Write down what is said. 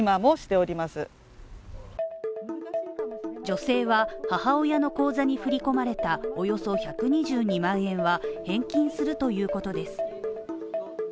女性は、母親の口座に振り込まれたおよそ１２２万円は返金するということです。